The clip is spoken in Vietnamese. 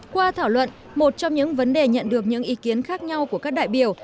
qua thảo luận một trong những vấn đề nhận được những ý kiến khác nhau của các đại biểu